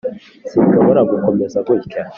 sinshobora gukomeza gutya.